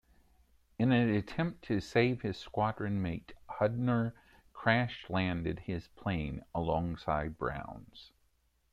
In an attempt to save his squadron mate, Hudner crash-landed his plane alongside Browns'.